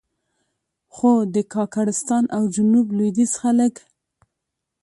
خو د کاکړستان او جنوب لوېدیځ خلک.